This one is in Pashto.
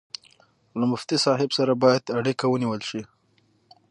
له مفتي صاحب سره باید اړیکه ونیول شي.